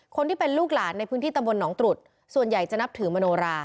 คนที่เป็นลูกหลานในพื้นที่ตำบลหนองตรุษส่วนใหญ่จะนับถือมโนรา